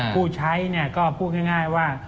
ผู้ใช้เนี่ยก็พูดง่ายว่า